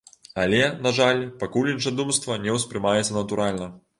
Але, на жаль, пакуль іншадумства не ўспрымаецца натуральна.